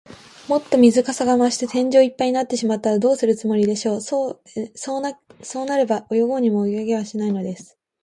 もっと水かさが増して、天井いっぱいになってしまったら、どうするつもりでしょう。そうなれば、泳ごうにも泳げはしないのです。